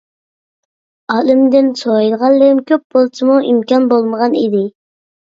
ئالىمدىن سورايدىغانلىرىم كۆپ بولسىمۇ ئىمكان بولمىغان ئىدى.